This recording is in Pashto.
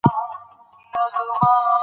زه د بدن منځنۍ برخه په دقت مینځم.